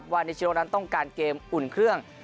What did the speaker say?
นิชโนนั้นต้องการเกมอุ่นเครื่อง